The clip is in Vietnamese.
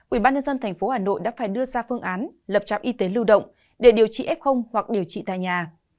ubnd tp hà nội đã phải đưa ra phương án lập trạm y tế lưu động để điều trị f hoặc điều trị tại nhà